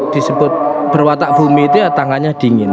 disebut berwatak bumi itu ya tangannya dingin